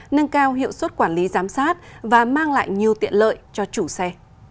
nâng cao hiệu suất quản lý giám sát và mang lại nhiều tiện lợi cho chủ xe